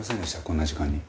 こんな時間に。